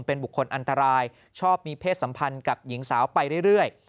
เป็นบุคคลอันตรายชอบมีเพศสัมพันธ์กับหญิงสาวไปเรื่อย